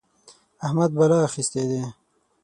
احمد بلا اخيستی دی.